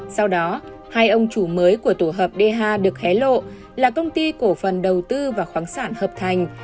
sau đó hai ông chủ mới của tổ hợp dha được hé lộ là công ty cổ phần đầu tư và khoáng sản hợp thành